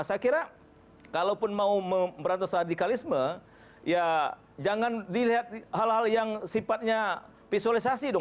saya kira kalaupun mau merantas radikalisme ya jangan dilihat hal hal yang sifatnya visualisasi dong